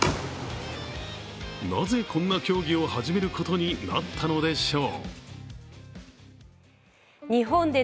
なぜこんな競技を始めることになったのでしょう。